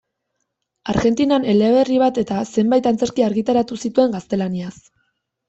Argentinan eleberri bat eta zenbait antzerki argitaratu zituen gaztelaniaz.